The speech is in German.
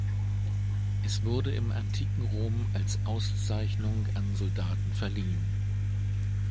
Es wurde im antiken Rom als Auszeichnung an Soldaten verliehen.